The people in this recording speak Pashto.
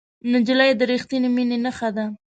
نجلۍ د رښتینې مینې نښه ده.